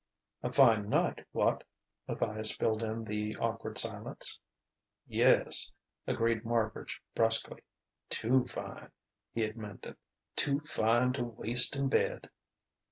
"A fine night, what?" Matthias filled in the awkward silence. "Yes," agreed Marbridge brusquely. "Too fine," he amended "too fine to waste in bed."